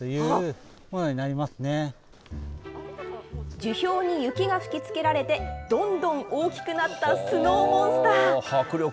樹氷に雪が吹きつけられて、どんどん大きくなったスノーモンスター。